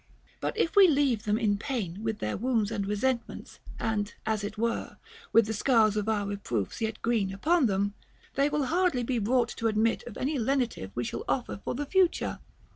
But if we leave them in pain with their wounds and resentments, and (as it were) with the scars of our reproofs yet green upon them, they will hardly be brought to admit of any lenitive Ave shall offer for the future.